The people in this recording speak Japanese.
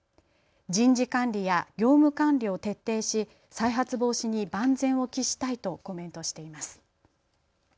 人事管理や業務管理を徹底し再発防止に万全を期したいとコメントしています。